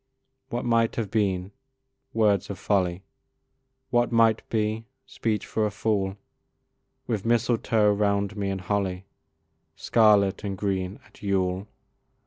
What might have been! words of folly; What might be! speech for a fool; With mistletoe round me, and holly, Scarlet and green, at Yule.